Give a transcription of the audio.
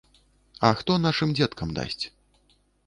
А хто нашым дзеткам дасць?